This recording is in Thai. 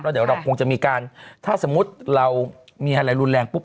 เดี๋ยวเราคงจะมีการถ้าสมมุติเรามีอะไรรุนแรงปุ๊บ